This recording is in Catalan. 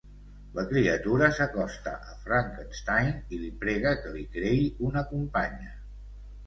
La criatura s'acosta a Frankenstein i li prega que li creï una companya.